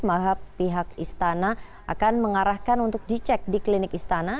maha pihak istana akan mengarahkan untuk dicek di klinik istana